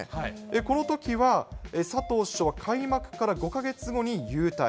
このときは佐藤首相は、開幕から５か月後に勇退。